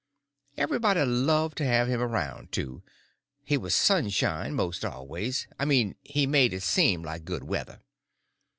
Everybody loved to have him around, too; he was sunshine most always—I mean he made it seem like good weather.